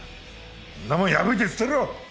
そんなもん破いて捨てろ！